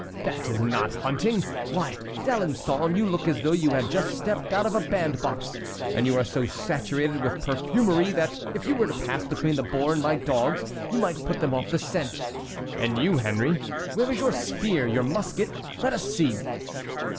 That is not hunting. Why, D'Alençon, you look as though you had just stepped out of a band box, and you are so saturated with perfumery that if you were to pass between the boar and my dogs, you might put them off the scent. And you, Henry, where is your spear, your musket? Let us see!"